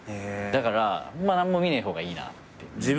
だから何も見ねえ方がいいなって。